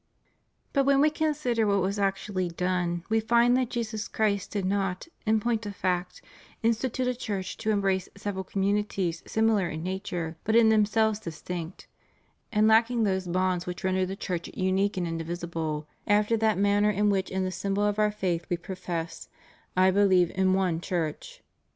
, But when we consider what was actually done we find that Jesus Christ did not, in point of fact, institute a Church to embrace several communities similar in nature, but in themselves distinct, and lacking those bonds which render the Church unique and indivisible after that manner in which in the symbol of our faith we profess: "I believe in one Church."